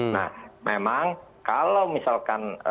nah memang kalau misalkan